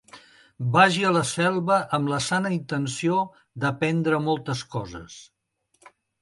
Vagi a la selva amb la sana intenció d'aprendre moltes coses.